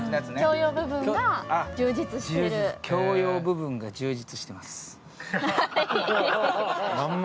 共用部分が充実しています。